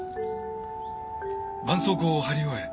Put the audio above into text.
ばんそうこうを貼り終え